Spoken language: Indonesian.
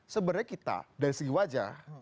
sebenarnya kita dari segi wajah